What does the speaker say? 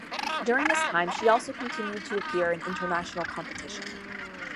During this time, she also continued to appear in international competition.